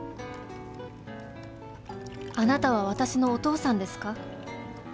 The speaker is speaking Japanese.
「あなたは私のお父さんですか？」。